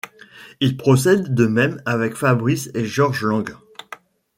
Il procède de même avec Fabrice et Georges Lang.